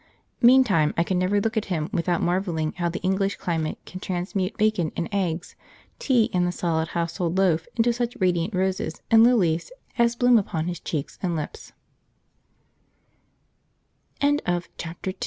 Meantime I can never look at him without marvelling how the English climate can transmute bacon and eggs, tea and the solid household loaf into such radiant roses and lilies as bloom upon his